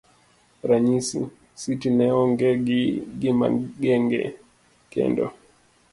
ranyisi. Siti ne onge gi gimageng'e kendo